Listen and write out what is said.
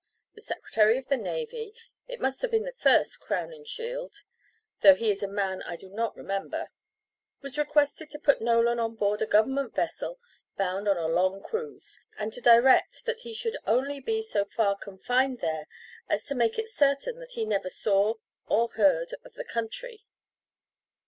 The Secretary of the Navy it must have been the first Crowninshield, though he is a man I do not remember was requested to put Nolan on board a government vessel bound on a long cruise, and to direct that he should be only so far confined there as to make it certain that he never saw or heard of the country.